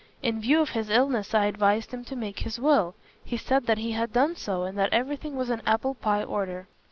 In view of his illness I advised him to make his will. He said that he had done so, and that everything was in apple pie order."